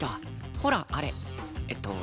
ほらあれえっと。